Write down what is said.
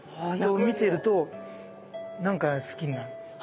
見てると何か好きになる。